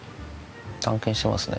探検してますね。